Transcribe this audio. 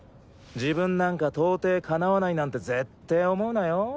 自分なんか到底敵わないなんてぜって思うなよ？